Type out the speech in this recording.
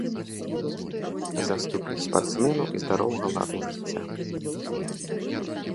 Заступнік спартсменаў і здаровага ладу жыцця.